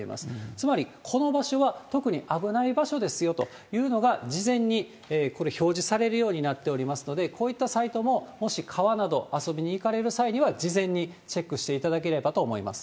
つまり、この場所は特に危ない場所ですよというのが、事前にこれ、表示されるようになっておりますので、こういったサイトも、もし川など遊びに行かれる際には、事前にチェックしていただければと思います。